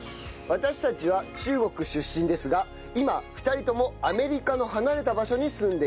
私たちは中国出身ですが今２人ともアメリカの離れた場所に住んでいます。